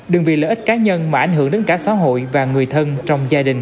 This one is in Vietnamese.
đừng vì lợi ích cá nhân mà ảnh hưởng đến cả xã hội và người thân trong gia đình